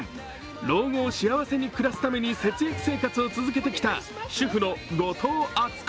老後を幸せに暮らすために節約生活を続けてきた主婦の後藤篤子。